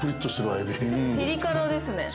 ◆ちょっとピリ辛ですね。